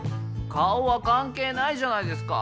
顔は関係ないじゃないですか。